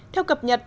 theo cập nhật